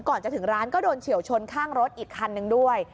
ก่อนจะถึงร้านก็โดนเฉียวชนข้างรถอีกคันนึงด้วย